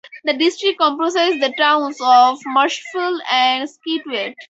The district comprises the towns of Marshfield and Scituate.